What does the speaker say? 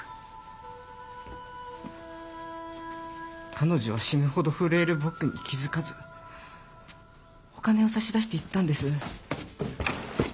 彼女は死ぬほど震える僕に気付かずお金を差し出して言ったんです。